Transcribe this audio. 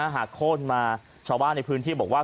โค้นมาชาวบ้านในพื้นที่บอกว่า